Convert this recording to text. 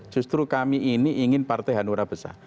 justru kami ini ingin partai hanura besar